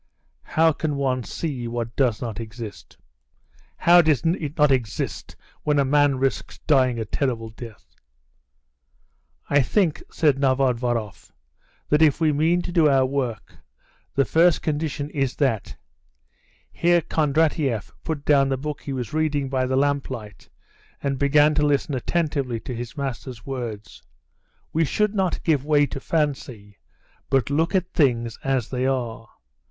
"How can one see what does not exist!" "How does it not exist, when a man risks dying a terrible death?" "I think," said Novodvoroff, "that if we mean to do our work, the first condition is that" (here Kondratieff put down the book he was reading by the lamplight and began to listen attentively to his master's words) "we should not give way to fancy, but look at things as they are.